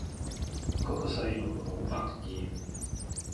嗰個細路好百厭